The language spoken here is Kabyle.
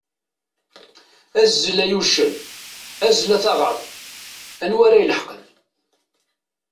Azzel ay uccen, azzel a taɣaḍt anwa ara ileḥqen.